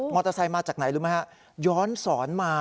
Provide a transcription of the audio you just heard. มอเตอร์ไซค์มาจากไหนรู้ไหมครับย้อนสอนมา